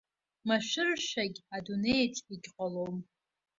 Машәыршәагь адунеиаҿ егьҟалом.